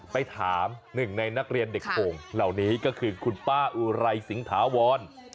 ไปถามหนึ่งในนักเรียนเด็กโข่งเหล่านี้ก็คือคุณป้าอุไรสิงถาวร